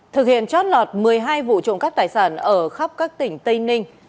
thực hiện chót lọt một mươi hai vụ trộm các tài sản ở khắp các tỉnh tây ninh